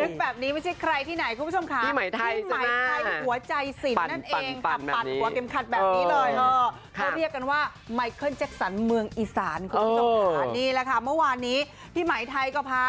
นึกแบบนี้ไม่ที่ใครที่ไหนคุณผู้ชมขา